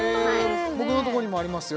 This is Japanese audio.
僕のとこにもありますよ